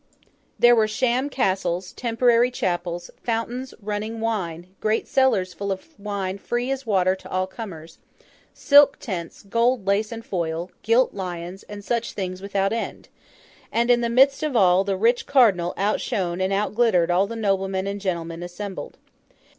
There were sham castles, temporary chapels, fountains running wine, great cellars full of wine free as water to all comers, silk tents, gold lace and foil, gilt lions, and such things without end; and, in the midst of all, the rich Cardinal out shone and out glittered all the noblemen and gentlemen assembled.